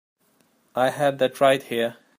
I had that right here.